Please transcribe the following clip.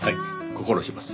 心します。